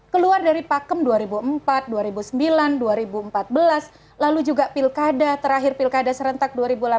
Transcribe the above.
keluar dari pakem dua ribu empat dua ribu sembilan dua ribu empat belas lalu juga pilkada terakhir pilkada serentak dua ribu delapan belas